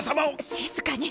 静かに！